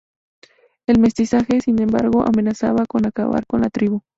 El mestizaje, sin embargo, amenazaba con acabar con la tribu.